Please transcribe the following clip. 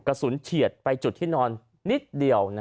เฉียดไปจุดที่นอนนิดเดียว